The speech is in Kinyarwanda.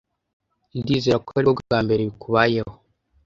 Ndizera ko aribwo bwa mbere bikubayeho.